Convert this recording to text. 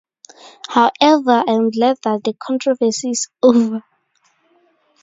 However, I am glad that the controversy is over.